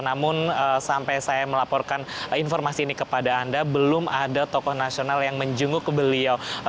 namun sampai saya melaporkan informasi ini kepada anda belum ada tokoh nasional yang menjenguk beliau